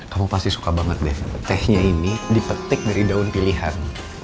kamu pasti suka banget deh tehnya ini dipetik dari daun pilihan